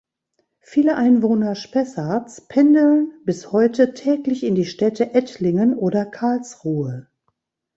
Viele Einwohner Spessarts pendeln, bis heute, täglich in die Städte Ettlingen oder Karlsruhe.